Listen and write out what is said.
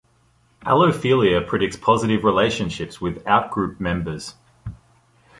Allophilia predicts positive relationships with outgroup members.